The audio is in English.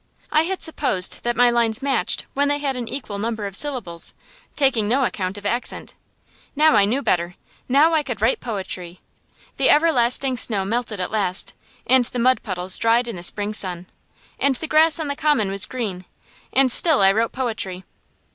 I had supposed that my lines matched when they had an equal number of syllables, taking no account of accent. Now I knew better; now I could write poetry! The everlasting snow melted at last, and the mud puddles dried in the spring sun, and the grass on the common was green, and still I wrote poetry!